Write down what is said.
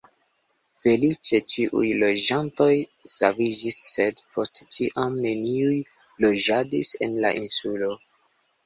Feliĉe ĉiuj loĝantoj saviĝis sed post tiam neniuj loĝadis en la insulo.